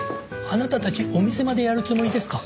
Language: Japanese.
あなたたちお店までやるつもりですか？